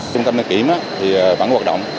trung tâm đăng kiểm vẫn hoạt động